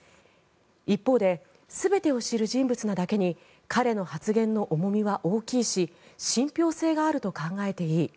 一方で全てを知る人物なだけに彼の発言の重みは大きいし信ぴょう性があると考えていい。